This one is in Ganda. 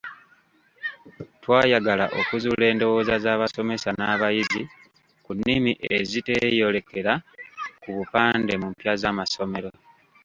Twayagala okuzuula endowooza z'abasomesa n'abayizi ku nnimi eziteeyolekera ku bupande mu mpya z'amasomero.